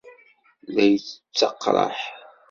La yettaqraḥ.